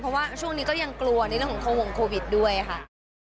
เพราะว่าช่วงนี้ก็ยังกลัวนิดนึงของโควิดด้วยค่ะ